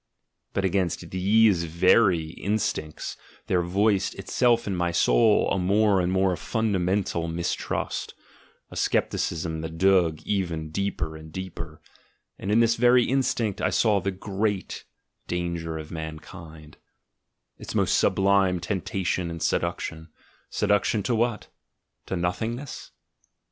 But against these very instincts there voiced itself in my soul a more and more fundamental mistrust, a scepticism that dug ever deeper and deeper: and in this very instinct I saw the great danger of mankind, its most sublime temptation and se duction — seduction to what? to nothingness?